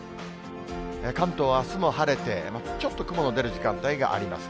関東はあすも晴れて、ちょっと雲の出る時間帯があります。